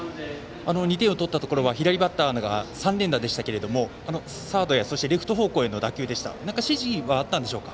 ２点を取ったところは左バッターが３連打でしたがサード、レフト方向への打球で指示はありましたか。